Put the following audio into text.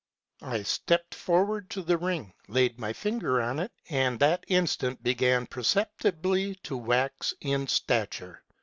I stepped forward to the ring, laid my finger on it, and that instant began perceptibly to wax in stature.